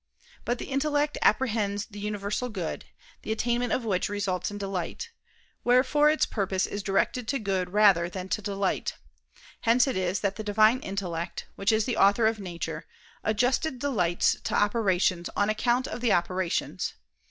But the intellect apprehends the universal good, the attainment of which results in delight: wherefore its purpose is directed to good rather than to delight. Hence it is that the Divine intellect, which is the Author of nature, adjusted delights to operations on account of the operations.